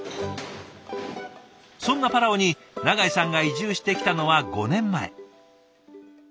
そんなパラオに永井さんが移住してきたのは５年前。